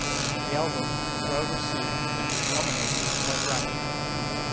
The album was well received and was nominated for a Grammy.